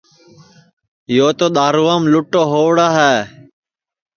یو تو دؔارُوام لُٹھ ہووَڑا ہے